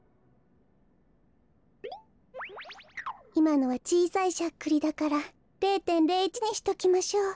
いまのはちいさいしゃっくりだから０．０１にしときましょう。